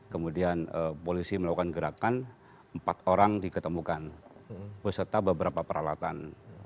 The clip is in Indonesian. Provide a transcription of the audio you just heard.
kemudian polisi melakukan gerakan empat orang diketemukan beserta beberapa peralatan